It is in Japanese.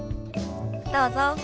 どうぞ。